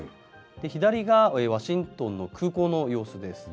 左がワシントンの空港の様子です。